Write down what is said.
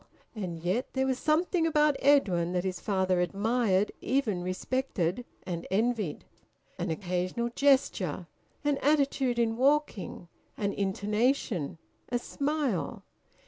And yet there was something about Edwin that his father admired, even respected and envied ... an occasional gesture, an attitude in walking, an intonation, a smile.